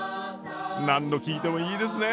何度聴いてもいいですね